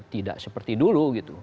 tidak seperti dulu gitu